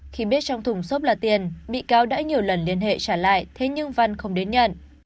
khi biết trong thùng xốp là tiền bị cáo đã nhiều lần liên hệ trả lại thế nhưng văn không đến nhận